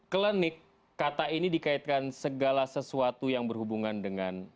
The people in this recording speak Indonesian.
klinik kata ini dikaitkan segala sesuatu yang berhubungan dengan